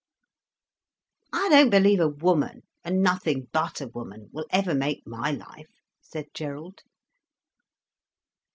"I don't believe a woman, and nothing but a woman, will ever make my life," said Gerald.